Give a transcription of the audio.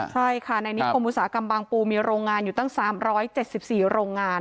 ใช่ค่ะในนิคมอุตสาหกรรมบางปูมีโรงงานอยู่ตั้ง๓๗๔โรงงาน